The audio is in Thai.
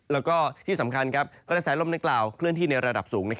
แล้วก็ที่สำคัญกระแสลมดังกล่าวเคลื่อนที่ในระดับสูง